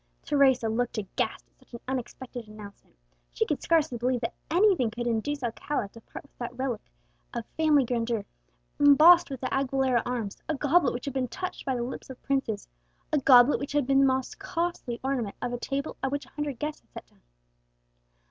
Teresa looked aghast at such an unexpected announcement. She could scarcely believe that anything could induce Alcala to part with that splendid relic of family grandeur, embossed with the Aguilera arms a goblet which had been touched by the lips of princes a goblet which had been the most costly ornament of a table at which a hundred guests had sat down.